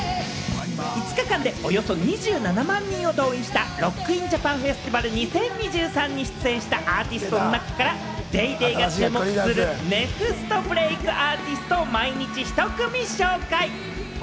５日間でおよそ２７万人を動員した、ＲＯＣＫＩＮＪＡＰＡＮＦＥＳＴＩＶＡＬ２０２３に出演したアーティストの中から『ＤａｙＤａｙ．』が注目するネクストブレークアーティストを毎日１組紹介！